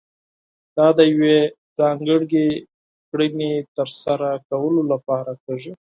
دا د يوې ځانګړې کړنې ترسره کولو لپاره کېږي.